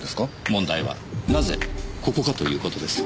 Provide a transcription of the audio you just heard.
問題はなぜここかという事です。